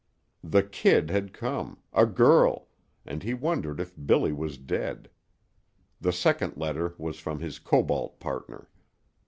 The "kid" had come a girl and he wondered if Billy was dead. The second letter was from his Cobalt partner.